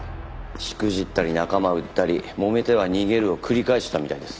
しくじったり仲間売ったりもめては逃げるを繰り返してたみたいです。